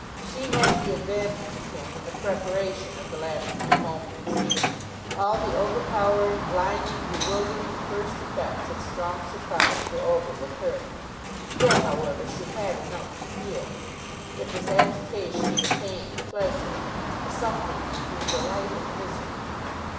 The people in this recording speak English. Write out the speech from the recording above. She had the advantage of him in the preparation of the last few moments. All the overpowering, blinding, bewildering, first effects of strong surprise were over with her. Still, however, she had enough to feel! It was agitation, pain, pleasure, a something between delight and misery.